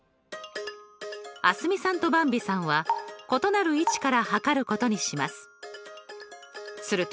蒼澄さんとばんびさんは異なる位置から測ることにします。